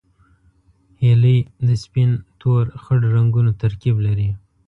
هیلۍ د سپین، تور، خړ رنګونو ترکیب لري